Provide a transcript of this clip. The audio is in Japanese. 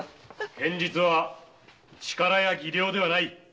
・剣術は力や技量ではない。